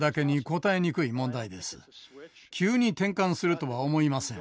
急に転換するとは思いません。